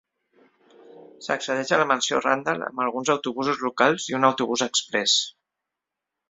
S'accedeix a la mansió Randall amb alguns autobusos locals i un autobús exprés.